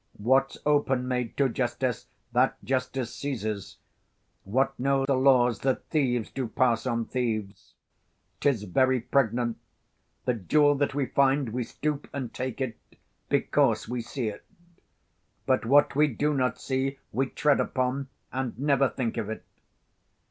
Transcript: What's open made to justice, That justice seizes: what know the laws That theives do pass on thieves? 'Tis very pregnant, The jewel that we find, we stoop and take't, Because we see it; but what we do not see 25 We tread upon, and never think of it.